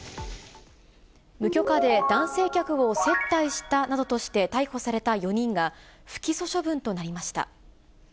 無許可で、男性客を接待したなどとして逮捕された４人が、不起訴処分となりました。